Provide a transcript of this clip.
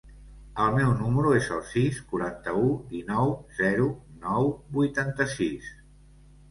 El meu número es el sis, quaranta-u, dinou, zero, nou, vuitanta-sis.